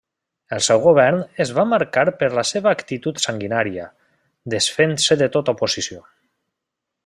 El seu govern es va marcar per la seva actitud sanguinària, desfent-se de tota oposició.